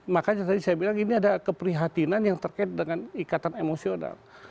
makanya tadi saya bilang ini ada keprihatinan yang terkait dengan ikatan emosional